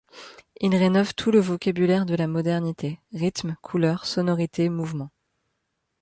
Il rénove tout le vocabulaire de la modernité : rythme, couleur, sonorité, mouvement.